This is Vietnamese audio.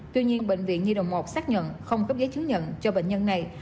tuy nhiên bệnh viện nhi đồng một xác nhận không cấp giấy chứng nhận cho bệnh nhân này